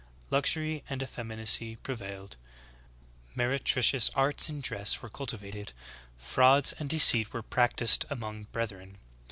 — Lux ury and effeminacy prevailed : Meretricious arts in dress were cultivated: Frauds and deceit were practiced among brethren.